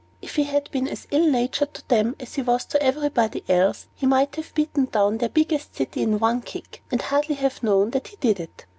If he had been as ill natured to them as he was to everybody else, he might have beaten down their biggest city at one kick, and hardly have known that he did it.